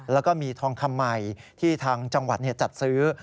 แล้วก็มีทองคำใหม่ที่ทางจังหวัดจัดซื้อ